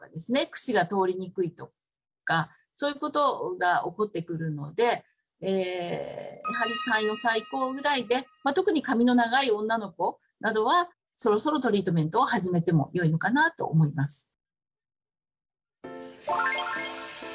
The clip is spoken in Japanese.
くしが通りにくいとかそういうことが起こってくるのでえやはり３４歳以降ぐらいでまあ特に髪の長い女の子などはそろそろトリートメントを始めてもよいのかなと思います。